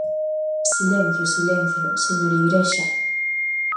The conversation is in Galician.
¡Silencio, silencio, señor Igrexa!